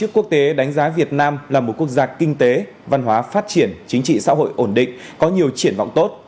quốc tế đánh giá việt nam là một quốc gia kinh tế văn hóa phát triển chính trị xã hội ổn định có nhiều triển vọng tốt